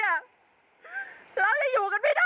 แล้วโลกรถมันก็พังมีไหม